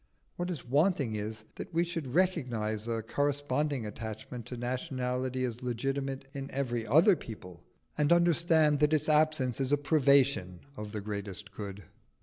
What is wanting is, that we should recognise a corresponding attachment to nationality as legitimate in every other people, and understand that its absence is a privation of the greatest good.